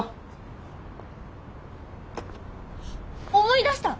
思い出した！